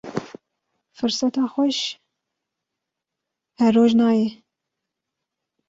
Firseta xewş her roj nayê